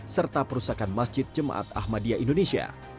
serta perusahaan masjid jumat ahmadiyah indonesia